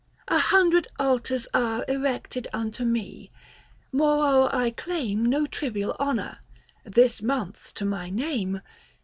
A hundred altars are Erected unto me ; moreo'er I claim, 65 No trivial honour, this month to my name.